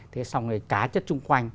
thế xong rồi cá chất chung quanh